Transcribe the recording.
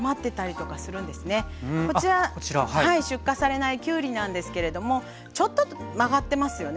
こちら出荷されないきゅうりなんですけれどもちょっと曲がってますよね。